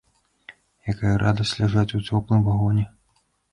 Якая радасць ляжаць у цёплым вагоне!